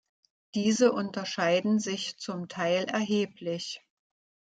Diese unterscheiden sich zum Teil erheblich.